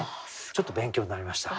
ちょっと勉強になりました。